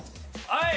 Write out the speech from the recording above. はい。